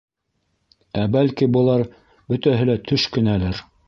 Ә, бәлки, былар бөтәһе лә төш кенәлер?